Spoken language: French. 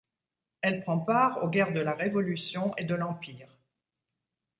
Elle prend part aux guerres de la Révolution et de l'Empire.